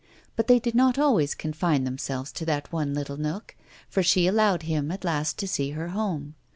But they did not always confine themselves to that one little nook, for she allowed him at last to see her home.